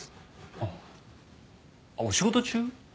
あっあっお仕事中？